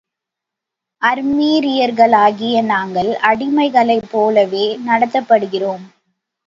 அர்மீனியர்களாகிய நாங்கள் அடிமைகளைப் போலவே நடத்தப்படுகிறோம்.